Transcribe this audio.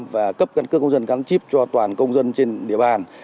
và cấp căn cước công dân gắn chip cho toàn công dân trên địa bàn